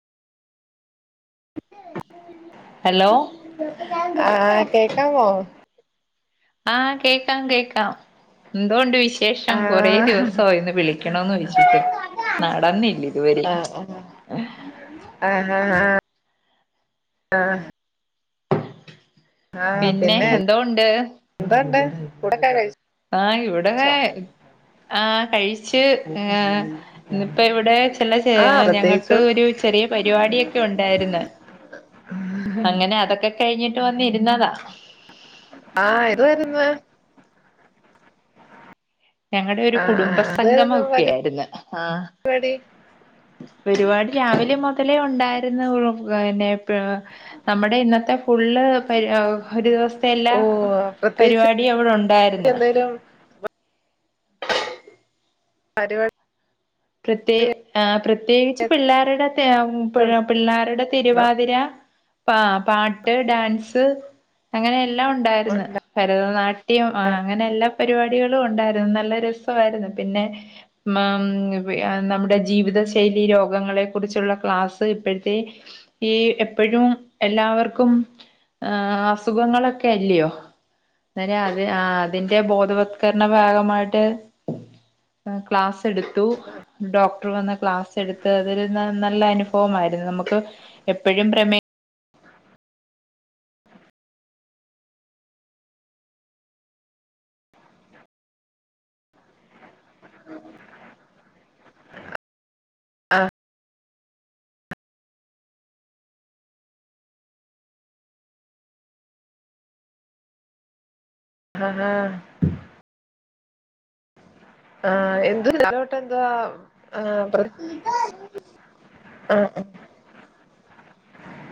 hello ആഹ് ആഹ് കേക്കമോ ആഹ് കേക്കാം കേക്കാം എന്തൊയൊണ്ട് വിശേഷം കൊറെ ആഹ് ദിവസം ഒന്ന് വിളിക്കണംന്ന് വെച്ചിട്ട് നടന്നില്ല ഇതുവരെ ആഹ് ആഹ് ആഹ് ആഹ് ആഹ് ആഹ് പിന്നെ എന്തോ ഒണ്ട് ഊണൊക്കെ കഴിച്ചോ ആഹ് ഇവിടെ- ആഹ് കഴിച്ച് ഇന്നിപ്പ ഇവിടെ ചെലവ് ആഹ് ചെയ്യണം ഞങ്ങൾക്ക് പ്രത്യേകിച്ചൊന്നും ഒരു ചെറിയ പരിപാടിയൊക്കെ ഒണ്ടായിരുന്നു അങ്ങനെ അതൊക്കെ- കഴിഞ്ഞിട്ട് വന്നിരുന്നതാ ആഹ എത് വാരുന്നു ഞങ്ങളടെ ഒരു ആഹ് കുടുംബ ആഹ് സംഗമം എന്തുവാരുന്നു ഒക്കെ ആയിരുന്നു ആ പരിപാടി പരുപാടി രാവിലെ മൊതലേ ഒണ്ടായിരുന്നു പിന്നെ- നമ്മുടെ ഇന്നത്തെ ഫുള്ള് പരു ഒരു ദിവസത്തെ എല്ലാ- ഓഹ് പ്രത്യേകിച്ച് പരിപാടി അവിടെ ഒണ്ടായിരുന്നു എന്തേലും പരിപടി പ്രത്യേ ആ പ്രത്യേകിച്ച് പിള്ളാരുടെ ണ്ടോ പിള്ളാരുടെ തിരുവാതിര ആ പാട്ട് ഡാൻസ് അങ്ങനെല്ലാം ഒണ്ടായിരിന്ന് ഉണ്ടാ ഭരതനാട്യം ആ അങ്ങനെ എല്ലാ പരിപാടികളും ഒണ്ടായിരുന്നു നല്ല രസമായിരുന്നു പിന്നെ- മ [unintelligible] നമ്മുടെ ജീവിതശൈലി രോഗങ്ങളെ കുറിച്ചുള്ള ക്ലാസ് ഇപ്പഴത്തെ- ഈ എപ്പഴും എല്ലാവർക്കും- ആ അസുഖങ്ങളൊക്കെ അല്ലിയോ അന്നേരം അത് ആ അതിന്റെ ബോധവത്കരണ ഭാഗമായിട്ട്- ആ ക്ലാസ് എടുത്തു ഡോക്ടർ വന്ന് ക്ലാസ് എടുത്ത് അത് അതൊരു നല്ല അനുഭവമായിരുന്നു നമുക്ക് എപ്പോഴും പ്രമേഹ - ആഹ ആഹ് ആ എന്ത് ഇതിലൊട്ട് എന്തുവാ ആ- ആഹ്